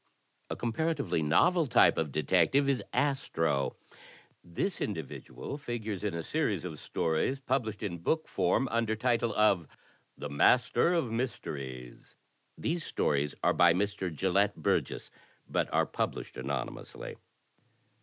A comparatively novel type of detective is Astro. This individual figures in a series of stories published in book form under title of "The Master of Mysteries." These stories are by Mr. Gelett Burgess, but are published anonymously.